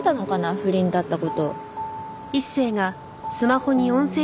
不倫だった事。